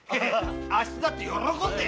あっしだって喜んで！